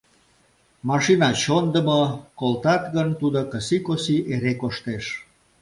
Машина чондымо: колтат гын, тудо кыси-коси эре коштеш...